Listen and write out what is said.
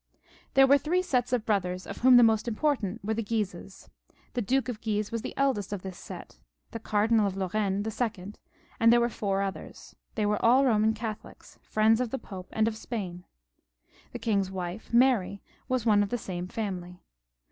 There were three sets of brothers, of whom the most important were the Guises. The Duke of Guise was the eldest of this set, the Cardinal of Lorraine the second, and there were four others ; they were aU Boman Catholics, Mends of the Pope and of Spain. The king's wife Maiy was one of the same family.